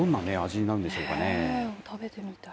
食べてみたい。